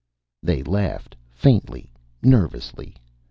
They laughed, faintly, nervously.